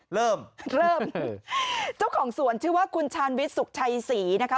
เริ่มเริ่มเจ้าของสวนชื่อว่าคุณชาญวิทย์สุขชัยศรีนะคะ